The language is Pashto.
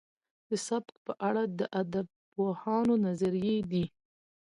سبک په اړه د ادبپوهانو نظريې دي.